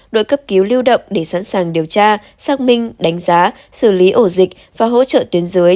đội cấp cứu lưu động để sẵn sàng điều tra xác minh đánh giá xử lý ổ dịch và hỗ trợ tuyến dưới